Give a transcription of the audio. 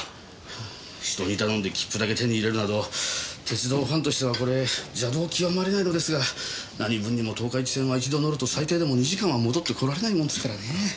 人に頼んで切符だけ手に入れるなど鉄道ファンとしてはこれ邪道極まりないのですが何分にも十日市線は一度乗ると最低でも２時間は戻ってこられないもんですからねぇ。